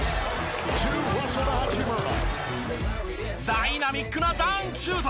ダイナミックなダンクシュート！